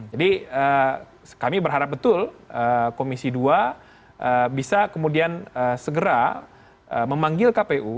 jadi kami berharap betul komisi dua bisa kemudian segera memanggil kpu